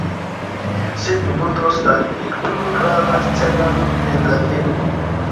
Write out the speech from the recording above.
Sed mi montros al vi unu gravan scenon en la filmo